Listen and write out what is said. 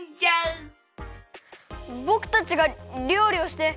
ぼくたちがりょうりをして。